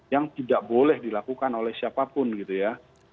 yang tidak boleh dilakukan oleh siapapun gitu ya